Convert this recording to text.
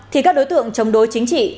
thì các đối tượng chống đối chính trị